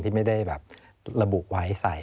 ที่ไม่ได้แบบระบุไว้ใส่